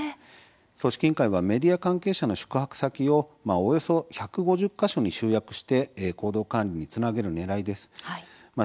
組織委員会はメディア関係者の宿泊先をおよそ１５０か所に集約して行動管理につなげるねらいです。